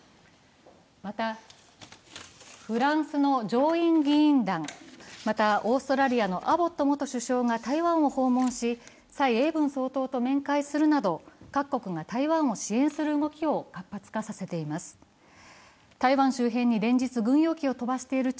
また、フランスの上院議員団、オーストラリアのアボット元首相が台湾を訪問し蔡英文総統と面会するなど各国が台湾を支援する動きを加速化しています。